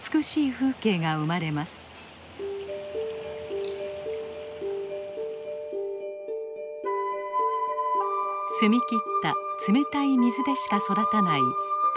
澄み切った冷たい水でしか育たないバイカモの花園です。